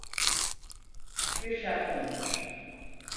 Bir şartım var.